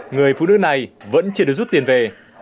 người phụ nữ này vẫn chưa được rút tiền về